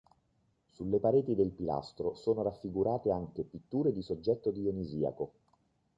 Sulle pareti del pilastro sono raffigurate anche pitture di soggetto dionisiaco.